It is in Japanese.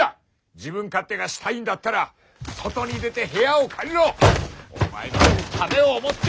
・自分勝手がしたいんだったら外に出て部屋を借りろ！お前のためを思って。